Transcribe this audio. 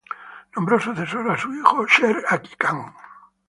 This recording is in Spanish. Nombró sucesor a su hijo, Sher Ali Khan.